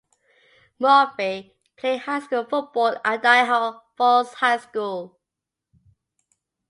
Murphy played high school football at Idaho Falls High School.